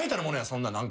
そんな。